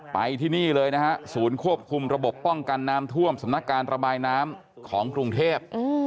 ไปที่นี่เลยนะฮะศูนย์ควบคุมระบบป้องกันน้ำท่วมสำนักการระบายน้ำของกรุงเทพ